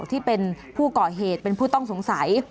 ที่เป็นผู้ก่อเหตุเป็นผู้ต้องสงสัย